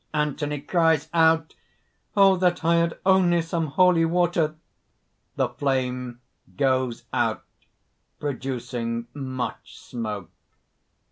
ANTHONY (cries out: ) "Oh! that I had only some holy water!..." (_The flame goes out, producing much smoke.